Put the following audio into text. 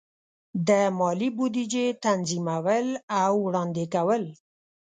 د مالی بودیجې تنظیمول او وړاندې کول.